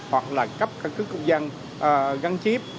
hoặc là cấp các cơ công dân gắn chiếp